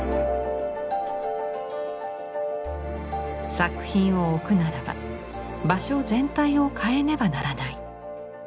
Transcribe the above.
作品を置くならば場所全体を変えねばならない。